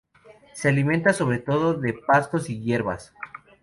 Se alimenta sobre todo de pastos y hierbas.